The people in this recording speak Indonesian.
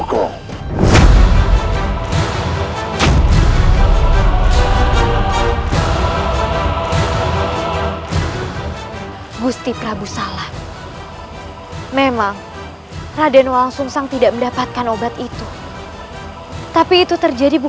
kau akan berhenti